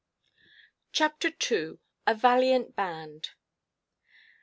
Chapter 2: A Valiant Band.